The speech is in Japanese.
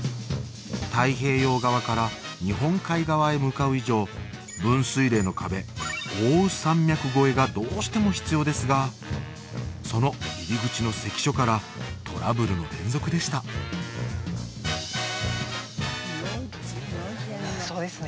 太平洋側から日本海側へ向かう以上分水嶺の壁奥羽山脈越えがどうしても必要ですがその入り口の関所からトラブルの連続でしたそうですね